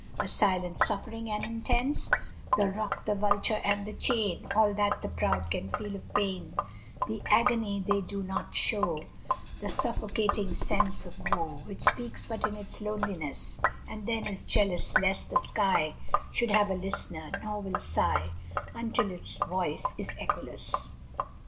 A silent suffering, and intense: The rock, the vulture, and the chain, All that the proud can feel of pain, The agony they do not show, The suffocating sense of woe, Which speaks but in its loneliness, And then is jealous lest the sky Should have a listener, nor will sigh Until its voice is echoless.